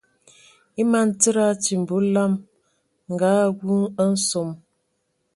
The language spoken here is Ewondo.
E man tsid a atimbi a olam nga awū a nsom.